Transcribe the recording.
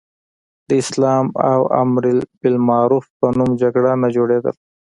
د اسلام او امر بالمعروف په نوم جګړه نه جوړېدله.